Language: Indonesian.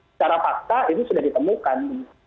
secara fakta itu sudah ditemukan